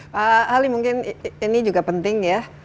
pak ali mungkin ini juga penting ya